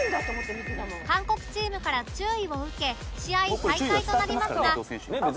韓国チームから注意を受け試合再開となりますが